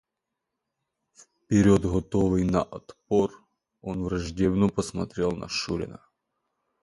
Вперед готовый на отпор, он враждебно посмотрел на шурина.